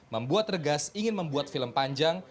membuat regas ingin membuat film panjang